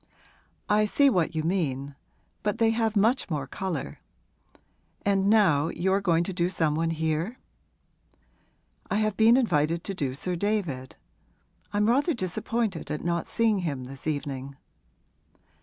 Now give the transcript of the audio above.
'I see what you mean. But they have much more colour. And now you are going to do some one here?' 'I have been invited to do Sir David. I'm rather disappointed at not seeing him this evening.'